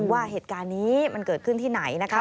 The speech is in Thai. ว่าเหตุการณ์นี้มันเกิดขึ้นที่ไหนนะคะ